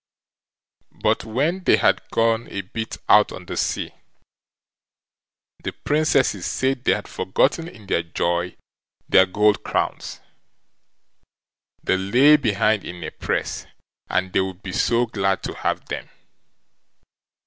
But when they had gone a bit out on the sea, the Princesses said they had forgotten in their joy their gold crowns; they lay behind in a press, and they would be so glad to have them.